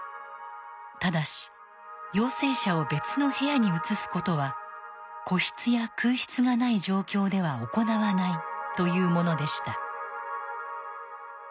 ただし「陽性者を別の部屋に移すことは個室や空室がない状況では行わない」というものでした。